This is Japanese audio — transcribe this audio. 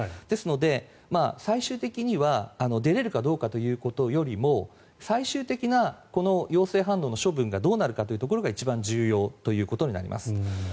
ですので、最終的には出れるかどうかということよりも最終的な陽性反応の処分がどうなるかということが一番重要ということになります。